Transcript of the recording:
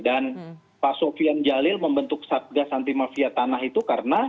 dan pak sofian jalil membentuk satgas anti mafia tanah itu karena